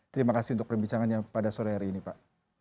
terima kasih untuk perbincangannya pada sore hari ini pak